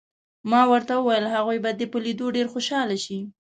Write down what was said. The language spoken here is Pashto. ما ورته وویل: هغوی به دې په لیدو ډېر خوشحاله شي.